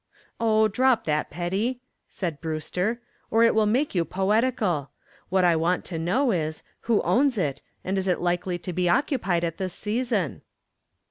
"Oh, drop that, Petty," said Brewster, "or it will make you poetical. What I want to know is who owns it and is it likely to be occupied at this season?"